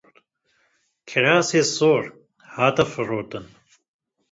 Kirasê sor hat firotin.